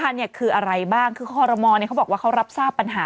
เนี่ยคืออะไรบ้างคือคอรมอลเขาบอกว่าเขารับทราบปัญหา